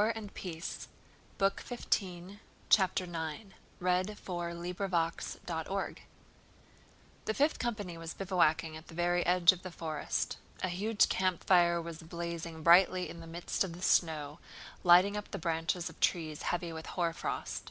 And several of the men went over to the Fifth Company. CHAPTER IX The Fifth company was bivouacking at the very edge of the forest. A huge campfire was blazing brightly in the midst of the snow, lighting up the branches of trees heavy with hoarfrost.